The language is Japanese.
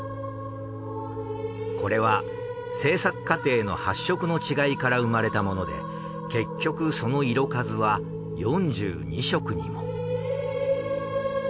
これは制作過程の発色の違いから生まれたもので結局その色数は４２色にも。